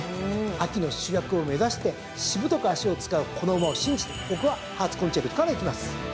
秋の主役を目指してしぶとく脚を使うこの馬を信じて僕はハーツコンチェルトからいきます。